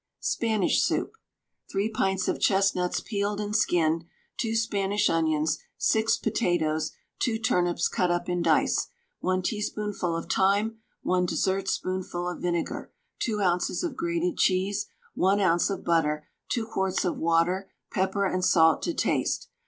SPANISH SOUP. 3 pints of chestnuts peeled and skinned, 2 Spanish onions, 6 potatoes, 2 turnips cut up in dice, 1 teaspoonful of thyme, 1 dessertspoonful of vinegar, 2 oz. of grated cheese, 1 oz. of butter, 2 quarts of water, pepper and salt to taste.